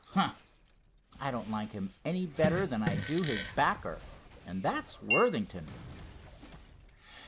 Humph! I don't like him any better than I do his backer, and that's Worthington."